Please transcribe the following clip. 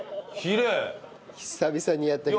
久々にやったけど。